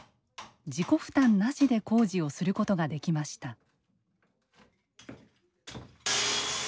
自己負担なしで工事をすることができました。